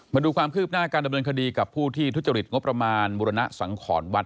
มาดูความคืบหน้าการดำเนินคดีกับผู้ที่ทุจริตงบประมาณบุรณสังขรวัด